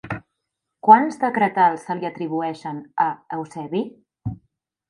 Quants decretals se li atribueixen a Eusebi?